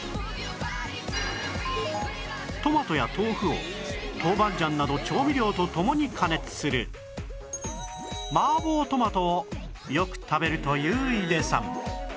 トマトや豆腐を豆板醤など調味料と共に加熱するマーボートマトをよく食べるという井出さん